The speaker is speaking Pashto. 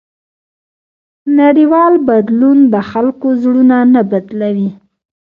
نړیوال بدلون د خلکو زړونه نه بدلوي.